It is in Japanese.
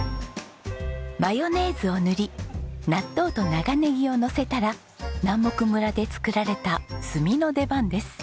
マヨネーズを塗り納豆と長ネギをのせたら南牧村で作られた炭の出番です。